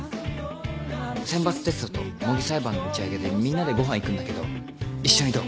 選抜テストと模擬裁判の打ち上げでみんなでご飯行くんだけど一緒にどう？